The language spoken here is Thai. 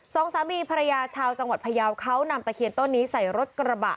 สองสามีภรรยาชาวจังหวัดพยาวเขานำตะเคียนต้นนี้ใส่รถกระบะ